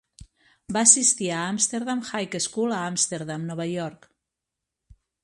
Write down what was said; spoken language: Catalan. Va assistir a Amsterdam High School a Amsterdam, Nova York.